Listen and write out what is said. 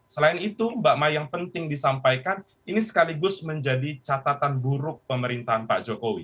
selain itu mbak mai yang penting disampaikan ini sekaligus menjadi catatan buruk pemerintahan pak jokowi